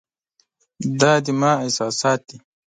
دا زما احساسات دي .